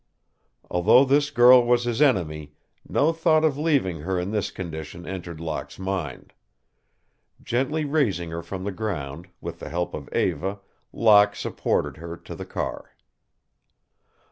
Although this girl was his enemy, no thought of leaving her in this condition entered Locke's mind. Gently raising her from the ground, with the help of Eva, Locke supported her to the car.